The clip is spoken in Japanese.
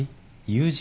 友人？